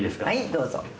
どうぞ。